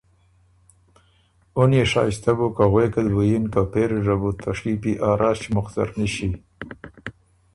اُن يې شائستۀ بُک که غوېکت بُو یِن که پېري ره بُو ته شيپی ا رݭ مُخ زر نِݭی۔